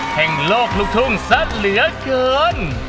แห่งโลกลูกทุ่งซะเหลือเกิน